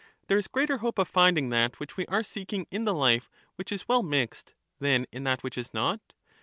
There is greater hope of finding that which we are 0"^ seeking in the life which is well mixed than in that which is not